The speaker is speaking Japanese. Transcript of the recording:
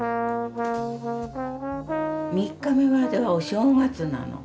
３日目まではお正月なの。